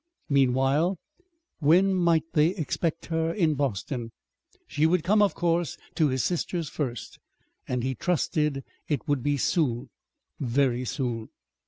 Meanwhile, when might they expect her in Boston? She would come, of course, to his sister's first; and he trusted it would be soon very soon.